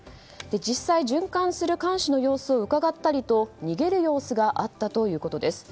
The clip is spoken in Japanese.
実際、循環する看守の様子をうかがったりと逃げる様子があったということです。